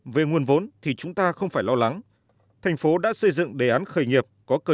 về nguồn vốn thì chúng ta không phải lo lắng thành phố đã xây dựng đề án khởi nghiệp có cơ